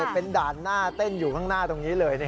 เป็นด่านหน้าเต้นอยู่ข้างหน้าตรงนี้เลย